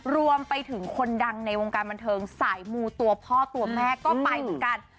รวมไปถึงคนดังในวงการบันเทิงสายมูตัวพ่อตัวแม่ก็ไปเหมือนกัน